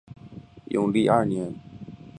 永历二年。